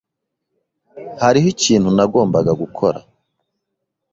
Hariho ikintu nagombaga gukora.